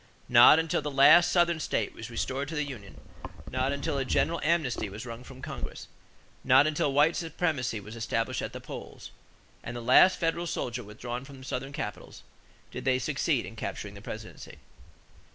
Not until the last Southern state was restored to the union, not until a general amnesty was wrung from Congress, not until white supremacy was established at the polls, and the last federal soldier withdrawn from Southern capitals did they succeed in capturing the presidency.